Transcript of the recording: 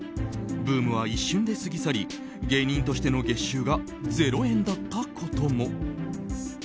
ブームは一瞬で過ぎ去り芸人としての月収が０円だったことも。